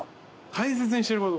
大切にしていること。